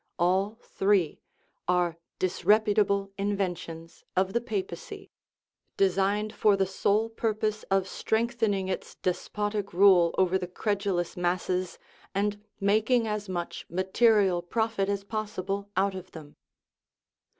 All three are disreputable inventions of the papacy, designed for the sole purpose of strengthening its despotic rule over the credulous masses and making as much material profit as possible out of them.